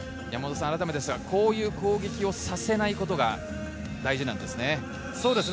こういう攻撃をさせないことが大事なんですね。